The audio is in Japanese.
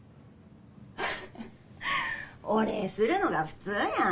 ハハハお礼するのが普通やん。